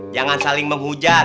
jangan saling menghujat